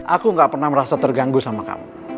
aku gak pernah merasa terganggu sama kamu